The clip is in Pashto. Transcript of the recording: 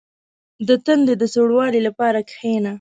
• د تندي د سوړوالي لپاره کښېنه.